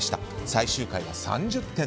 最終回は３０．７％。